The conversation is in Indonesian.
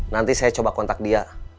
nanti saya coba kontak dia